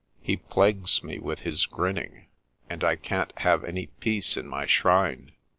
He plagues me with his grinning, and I can't have any peace in my shrine.